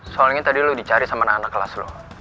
soalnya tadi lo dicari sama anak anak kelas lo